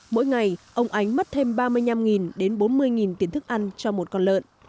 mỗi ngày ông ánh mất thêm ba mươi năm đến bốn mươi tiền thức ăn cho một con lợn